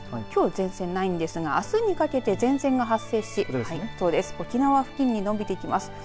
きょう前線ないんですがあすにかけて前線が発生し沖縄付近に伸びてきます。